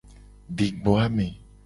Di gbo ame.